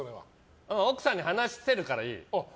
奥さんに話せるからいい。